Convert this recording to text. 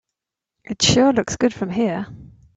It sure looks good from here.